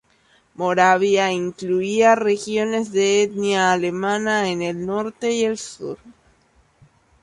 Moravia incluía regiones de etnia alemana en el norte y el sur.